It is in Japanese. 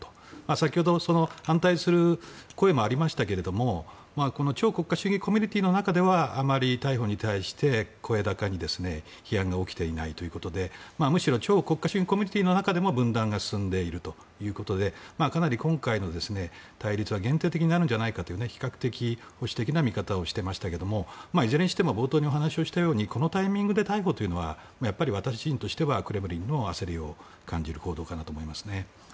先ほど反対する声もありましたが超国家主義コミュニティーの中では逮捕に対して声高に批判は起きていないという中でむしろ超国家主義コミュニティーの中でも分断が進んでいるということでかなり今回の対立は限定的になるのではと比較的、保守的な見方をしていましたがいずれにしても冒頭にお話ししたようにこのタイミングでの逮捕というのはクレムリンの焦りを感じる行動かなと思います。